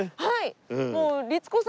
はい！